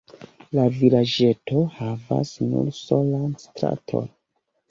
La vilaĝeto havas nur solan straton.